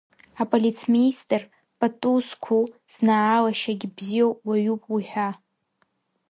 Аполицмеистер-патузқәу, знаалашьагьы бзиоу уаҩуп уи ҳәа…